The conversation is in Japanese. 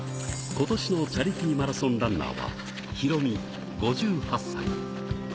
ことしのチャリティーマラソンランナーは、ヒロミ、５８歳。